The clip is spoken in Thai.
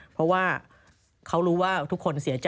เพราะว่าเขารู้ว่าทุกคนเสียใจ